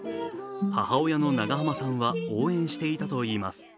母親の長濱さんは応援していたといいます。